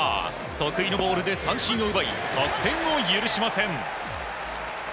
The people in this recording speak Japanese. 得意のボールで三振を奪い得点を許しません。